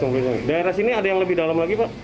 kurang lebih tujuh puluh delapan puluh cm